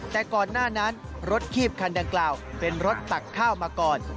แต่ก่อนหน้านั้นรถคีบคันดังกล่าวเป็นรถตักข้าวมาก่อน